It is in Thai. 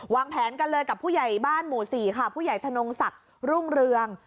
วางแผนกันเลยกับผู้ใหญ่บ้านหมู่๔ค่ะผู้ใหญ่ธนงศักดิ์รุ่งเรือง